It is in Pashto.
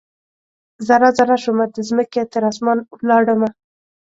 ذره ، ذره شومه د مځکې، تراسمان ولاړمه